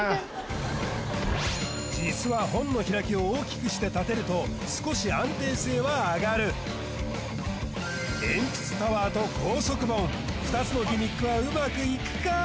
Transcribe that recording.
実は本の開きを大きくして立てると少し安定性は上がるえんぴつタワーと高速本２つのギミックはうまくいくか？